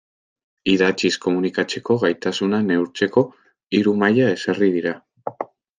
Idatziz komunikatzeko gaitasuna neurtzeko hiru maila ezarri dira.